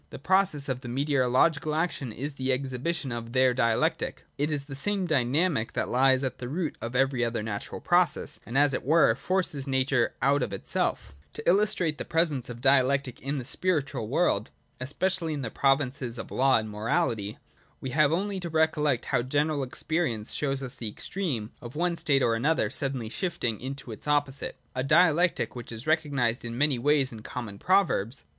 The process of meteorological action is the exhibition of their Dialectic. It is the same dynamic that lies at the root of every other natural process, and, as it were, forces nature out of itself To illustrate the presence of Dialectic in the spiritual world, especially in the provinces of law and mo rahty, we have only to recollect how general experience shows us the extreme of one state or action suddenly shift ing into its opposite : a Dialectic which is recognised in many ways in common proverbs.